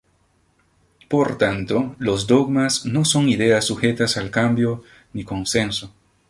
Por tanto, los dogmas no son ideas sujetas al cambio ni consenso.